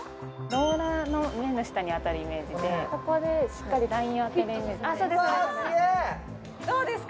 ローラーの目の下に当たるイメージでここでしっかりラインを当てるイメージそうです